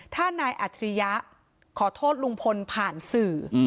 ถ้านายอัจฉริยะขอโทษลุงพลผ่านสื่อ